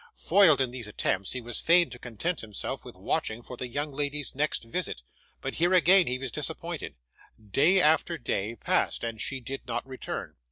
Foiled in these attempts, he was fain to content himself with watching for the young lady's next visit, but here again he was disappointed. Day after day passed, and she did not return.